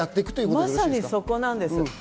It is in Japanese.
まさにそこなんです。